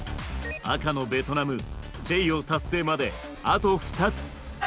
赤のベトナムチェイヨー達成まであと２つ。